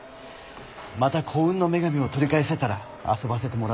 また幸運の女神を取り返せたら遊ばせてもらうよ。